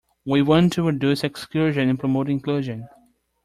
We want to reduce exclusion and promote inclusion.